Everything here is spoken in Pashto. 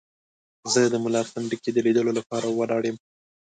زه د ملا سنډکي د لیدلو لپاره ولاړم.